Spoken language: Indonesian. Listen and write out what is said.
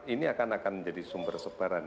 ini akan menjadi sumber sebaran